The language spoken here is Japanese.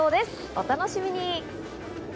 お楽しみに。